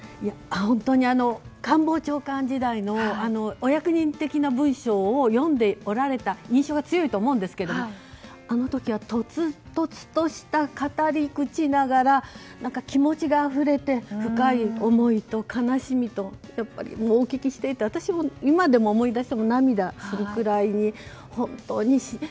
本当に官房長官時代のお役人的な文書を読んでおられた印象が強いと思うんですけれどもあの時は訥々とした語り口ながら気持ちがあふれて、深い思いと悲しみと、お聞きしていて私も今でも思い出しても涙するくらいに、本当に。